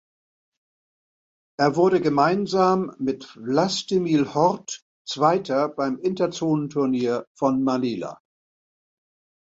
Er wurde gemeinsam mit Vlastimil Hort Zweiter beim Interzonenturnier von Manila.